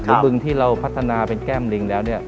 บึงที่เราพัฒนาเป็นแก้มลิงแล้ว